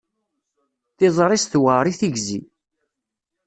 Tiẓri-s tewɛer i tigzi.